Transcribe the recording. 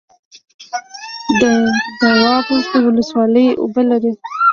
د دواب ولسوالۍ اوبه لري